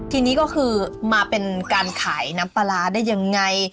ทีนี้ก็คือมาเป็นการขายน้ำปลาร้าได้ยังไง